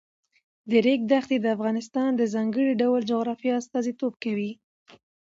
د ریګ دښتې د افغانستان د ځانګړي ډول جغرافیه استازیتوب کوي.